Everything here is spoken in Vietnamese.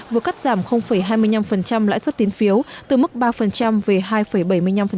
vừa cắt giảm hai mươi năm lãi suất tiến phiếu từ mức ba về hai bảy mươi năm